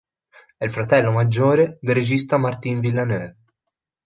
È il fratello maggiore del regista Martin Villeneuve.